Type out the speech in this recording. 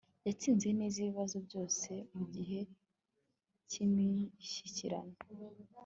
yatsinze neza ibibazo byose mugihe cyimishyikirano. (chrikaru